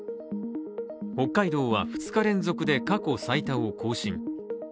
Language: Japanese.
北海道は２日連続で過去最多を更新。